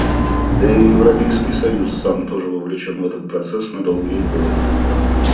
Да и Европейский союз сам тоже вовлечен в этот процесс на долгие годы.